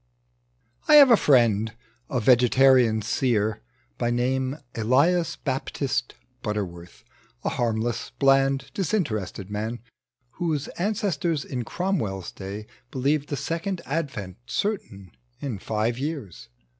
I H4VE a friend, a vegetarian seer, By name Eliaa Baptist Butterworth, A harmless, bland, disinterested man, Whose ancestors in Cromwell's day believed The Second Advent certain in five years.